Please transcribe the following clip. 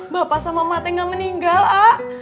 bapak sama mateng gak meninggal ah